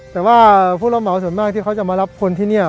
แต่ว่าผู้รับเหมาส่วนมากที่เขาจะมารับคนที่นี่